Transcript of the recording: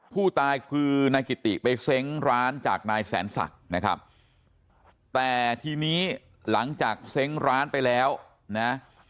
ผู้ตายคือนายกิติไปเซ้งร้านจากนายแสนศักดิ์นะครับแต่ทีนี้หลังจากเซ้งร้านไปแล้วนะ